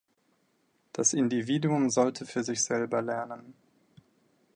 Das Individuum sollte für sich selber lernen.